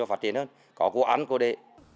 và phát triển hơn có cô ăn cô đệ